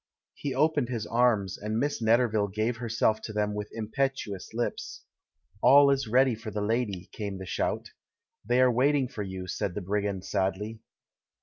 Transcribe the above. He opened his arms, and Miss Netterville gave herself to them with impetuous lips. "All is ready for the lady!" came the shout. "They are waiting for you," said the brigand sadly.